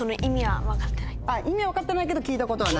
意味は分かってないけど聞いたことはある？